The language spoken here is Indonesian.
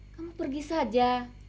kamu pergi saja